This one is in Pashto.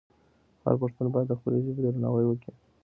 هر پښتون باید د خپلې ژبې درناوی وکړي.